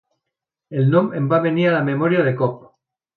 El nom em va venir a la memòria de cop.